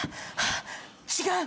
違う。